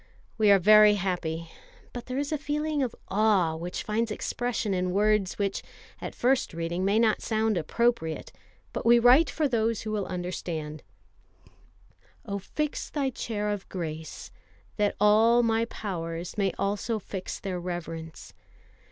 We are very happy; but there is a feeling of awe which finds expression in words which, at first reading, may not sound appropriate; but we write for those who will understand: Oh, fix Thy chair of grace, that all my powers May also fix their reverence